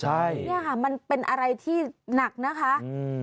ใช่เนี่ยค่ะมันเป็นอะไรที่หนักนะคะอืม